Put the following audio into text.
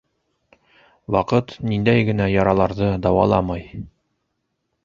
Ваҡыт ниндәй генә яраларҙы дауаламай...